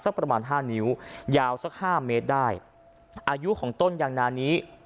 ประมาณห้านิ้วยาวสักห้าเมตรได้อายุของต้นยางนานี้